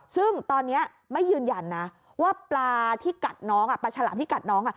ซึ่งตอนนี้ไม่ยืนยันนะว่าปลาชาหลามที่กัดน้อง